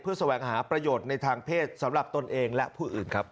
แสวงหาประโยชน์ในทางเพศสำหรับตนเองและผู้อื่นครับ